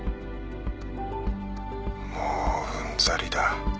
☎もううんざりだ